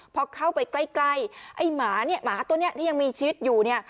พอเข้าไปใกล้ไอ้หมาเนี่ยหมาตัวนี้ที่ยังมีชีวิตอยู่เนี่ย